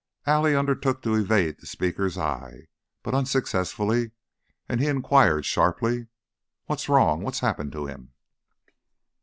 Allie undertook to evade the speaker's eye, but unsuccessfully, and he inquired, sharply: "What's wrong? What's happened to him?"